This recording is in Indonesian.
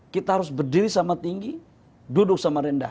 kita harus berdiri sama tinggi duduk sama rendah